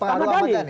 pak ahmad dhani